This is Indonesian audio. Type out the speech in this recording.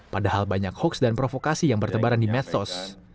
padahal banyak hoaks dan provokasi yang bertebaran di medsos